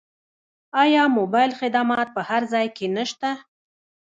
آیا موبایل خدمات په هر ځای کې نشته؟